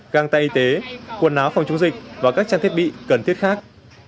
găng tay y tế quần áo phòng chống dịch và các trang thiết bị cần thiết khác